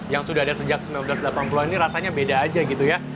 yang sudah ada sejak seribu sembilan ratus delapan puluh an ini rasanya beda aja gitu ya